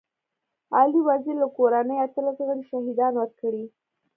علي وزير له کورنۍ اتلس غړي شهيدان ورکړي.